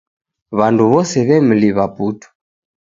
W'andu w'soe w'emliw'a putu.